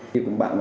đi cùng bạn